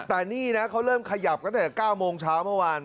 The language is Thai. แต่นี่นะเขาเริ่มขยับตั้งแต่๙โมงเช้าเมื่อวาน